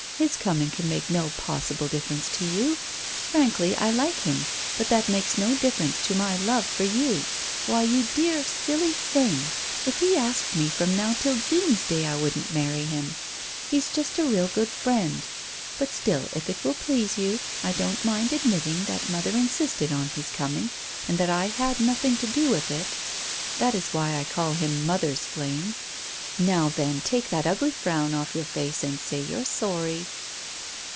"His coming can make no possible difference to you. Frankly, I like him, but that makes no difference to my love for you. Why, you dear, silly thing, if he asked me from now till Doomsday I wouldn't marry him. He's just a real good friend. But still, if it will please you, I don't mind admitting that mother insisted on his coming, and that I had nothing to do with it. That is why I call him mother's flame. Now, then, take that ugly frown off your face and say you're sorry."